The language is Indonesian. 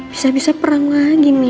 bisa bisa ada mah wang darit alguma hen ini